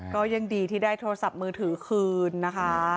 ก็ยังดีที่ได้โทรศัพท์มือถือคืนนะคะ